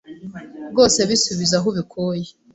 rwose bisubize aho ubikuye.